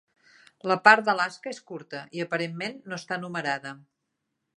La part d'Alaska és curta, i aparentment no està numerada.